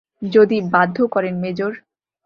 যদি বাধ্য করেন, মেজর।